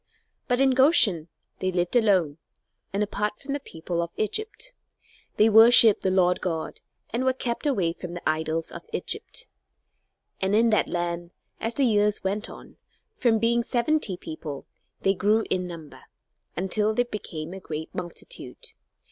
But in Goshen they lived alone and apart from the people of Egypt. They worshipped the Lord God, and were kept away from the idols of Egypt. And in that land, as the years went on, from being seventy people, they grew in number until they became a great multitude.